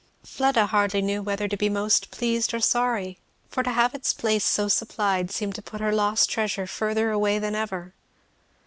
Fleda hardly knew whether to be most pleased or sorry; for to have its place so supplied seemed to put her lost treasure further away than ever.